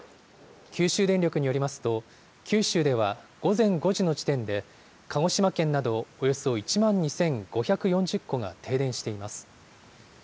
九州電力によりますと、九州では午前５時の時点で、鹿児島県などおよそ１万２５４０戸が停電しています。